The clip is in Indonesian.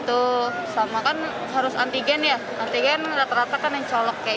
betul sama kan harus antigen ya antigen rata rata kan yang colok kayak